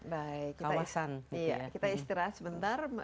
baik kita istirahat sebentar